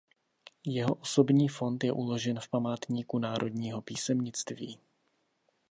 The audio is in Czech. Jeho osobní fond je uložen v Památníku národního písemnictví.